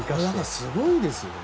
すごいですよね。